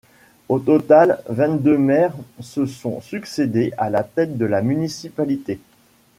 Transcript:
Au total, vingt-deux maires se sont succédé à la tête de la municipalité.